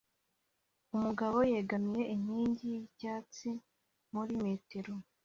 Umugabo yegamiye inkingi yicyatsi muri metero